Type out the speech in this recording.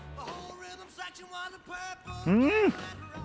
うん！